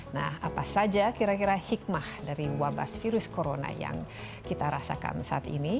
nah apa saja kira kira hikmah dari wabah virus corona yang kita rasakan saat ini